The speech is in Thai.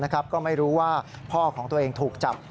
ก็ไม่รู้ว่าพ่อของตัวเองถูกจับ